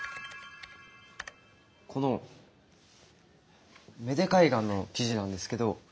この芽出海岸の記事なんですけど。